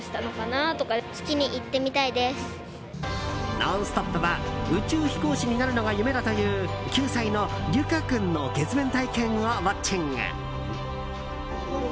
「ノンストップ！」は宇宙飛行士になるのが夢だという９歳のりゅか君の月面体験をウォッチング。